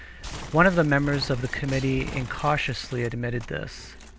One of the members of the committee incautiously admitted this.